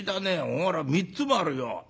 ほら３つもあるよ。